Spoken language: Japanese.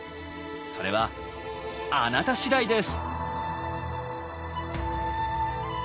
それはあなた次第です！